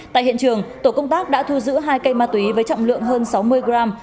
tại hiện trường tổ công tác đã thu giữ hai cây ma túy với trọng lượng hơn sáu mươi gram